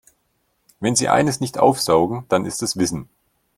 Wenn sie eines nicht aufsaugen, dann ist es Wissen.